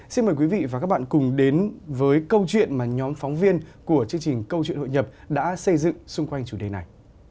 xin mời quý vị và các bạn cùng đến với câu chuyện mà nhóm phóng viên của chương trình câu chuyện hội nhập đã xây dựng xung quanh chủ đề này